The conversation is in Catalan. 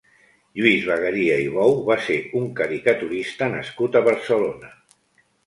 Lluís Bagaria i Bou va ser un caricaturista nascut a Barcelona.